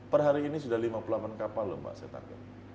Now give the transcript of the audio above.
perhari ini sudah lima puluh delapan kapal lho saya takut